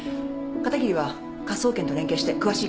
片桐は科捜研と連携して詳しい鑑定結果を。